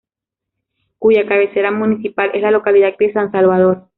Cuya cabecera municipal es la localidad de San Salvador.